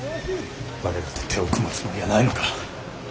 我らと手を組むつもりはないのか。